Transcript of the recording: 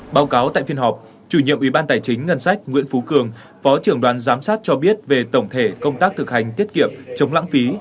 báo cáo tại phiên họp chủ nhiệm ủy ban tài chính ngân sách nguyễn phú cường phó trưởng đoàn giám sát cho biết về tổng thể công tác thực hành tiết kiệm chống lãng phí